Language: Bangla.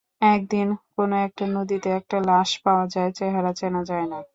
একদিন কোনো একটা নদীতে একটা লাশ পাওয়া যায়, চেহারা চেনা যায় না।